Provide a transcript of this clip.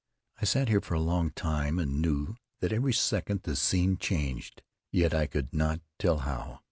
I sat there for a long time and knew that every second the scene changed, yet I could not tell how.